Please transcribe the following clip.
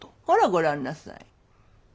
ほらご覧なさい。